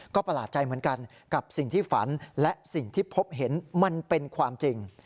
ก็ประหลาดใจเหมือนกันกับสิ่งที่ฝันและสิ่งที่พบเห็นมันเป็นความจริง